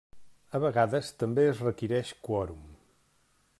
A vegades també es requereix quòrum.